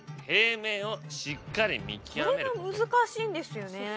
それが難しいんですよね。